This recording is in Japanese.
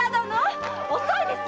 遅いですよ！